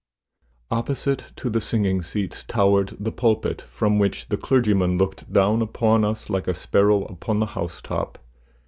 Opposite to the singing seats towered the pulpit, from which the clergyman looked down upon us like a sparrow upon the house top.